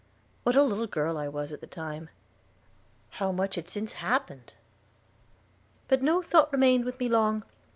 What a little girl I was at the time! How much had since happened! But no thought remained with me long.